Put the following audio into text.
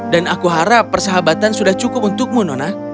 dan aku harap persahabatan sudah cukup untukmu nona